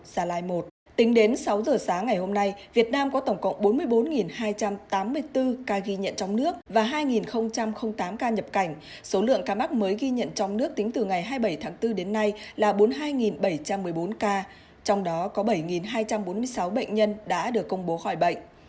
gia lai một tính đến sáu giờ sáng ngày hôm nay việt nam có tổng cộng bốn mươi bốn hai trăm tám mươi bốn ca ghi nhận trong nước và hai tám ca nhập cảnh số lượng ca mắc mới ghi nhận trong nước tính từ ngày hai mươi bảy tháng bốn đến nay là bốn mươi hai bảy trăm một mươi bốn ca trong đó có bảy hai trăm bốn mươi sáu bệnh nhân đã được công bố khỏi bệnh